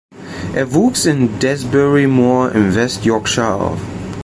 Er wuchs in Dewsbury Moor in West Yorkshire auf.